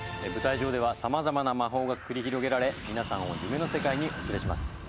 舞台上では様々な魔法が繰り広げられ皆さんを夢の世界にお連れします